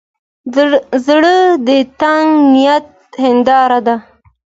زړه د نیک نیت هنداره ده.